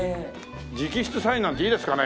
直筆サインなんていいですかね？